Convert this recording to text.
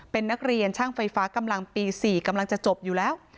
เป็นนักเรียนช่างไฟฟ้ากำลังปี๔กำลังจะจบอยู่แล้ว